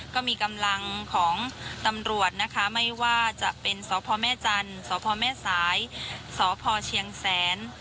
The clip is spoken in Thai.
ก็มีกำลังของตำรวจนะคะไม่ว่าจะเป็นสพแม่จันทร์สพแม่สายสพเชียงแสน